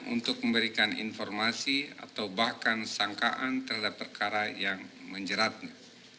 untuk memberikan informasi atau bahkan sangkaan terhadap perkara yang menjeratnya